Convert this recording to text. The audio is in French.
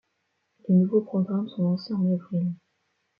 Les nouveaux programmes sont lancés en avril.